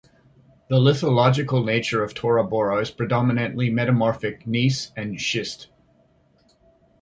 The lithological nature of Tora Bora is predominantly metamorphic gneiss and schist.